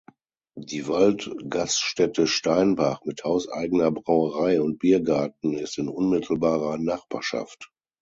Die Wald-Gaststätte Steinbach mit hauseigener Brauerei und Biergarten ist in unmittelbarer Nachbarschaft.